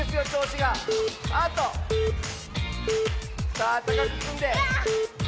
さあたかくつんで。